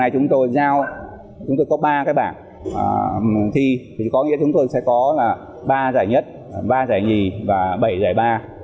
chúng tôi có ba bảng thi có nghĩa chúng tôi sẽ có ba giải nhất ba giải nhì và bảy giải ba